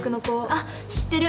あっ知ってる！